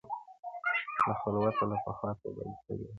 • ما خو له خلوته لا پخوا توبه ایستلې وه -